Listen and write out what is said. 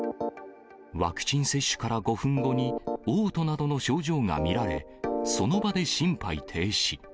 ワクチン接種から５分後におう吐などの症状が見られ、その場で心肺停止。